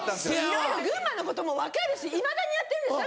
いろいろ群馬のことも分かるしいまだにやってるんですよ